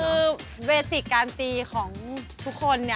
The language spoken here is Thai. ใช่คือเบสิคการตีของทุกคน